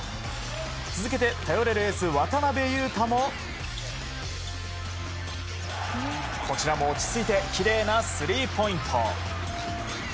続けて頼れるエース渡邊雄太もこちらも落ち着いてきれいなスリーポイント。